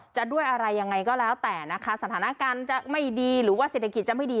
จะด้วยอะไรยังไงก็แล้วแต่นะคะสถานการณ์จะไม่ดีหรือว่าเศรษฐกิจจะไม่ดี